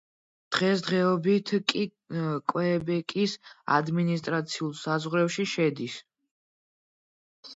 დღესდღეობით კი კვებეკის ადმინისტრაციულ საზღვრებში შედის.